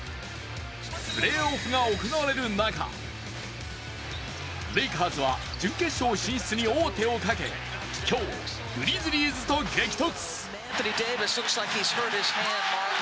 プレーオフが行われる中、レイカーズは準決勝進出に王手をかけ今日、グリズリーズと激突。